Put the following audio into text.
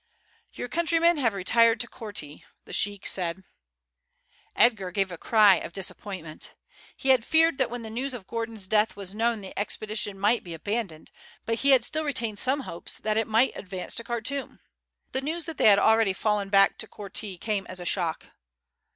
"Your countrymen have retired to Korti," the sheik said. Edgar gave a cry of disappointment. He had feared that when the news of Gordon's death was known the expedition might be abandoned; but he had still retained some hope that it might advance to Khartoum. The news that they had already fallen back to Korti came as a shock.